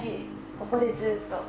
ここでずっと。